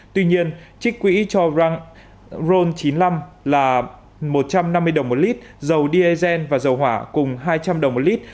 tuy nhiên trích quỹ cho ron chín mươi năm là một trăm năm mươi đồng một lít dầu diesel và dầu hỏa cùng hai trăm linh đồng một lít